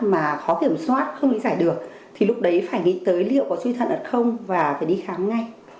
mà khó kiểm soát không lý giải được thì lúc đấy phải nghĩ tới liệu có suy thận ở không và phải đi khám ngay